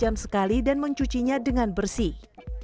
dua jam sekali dan mencucinya dengan bersih